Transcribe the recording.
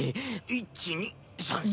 １２３４。